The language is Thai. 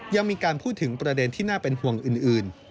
ยังมีการพูดถึงประเด็นที่น่าเป็นห่วงอื่น